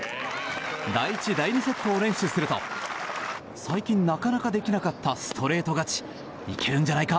第１、第２セットを連取すると最近なかなかできなかったストレート勝ちいけるんじゃないか？